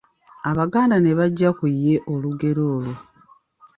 Abaganda ne baggya ku ye olugero olwo.